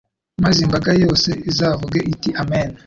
Maze imbaga yose izavuge iti Amen